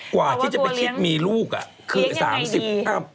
กว่าที่จะไปคิดมีลูกอ่ะคือ๓๐อัพ